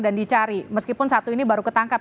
dan dicari meskipun satu ini baru ketangkap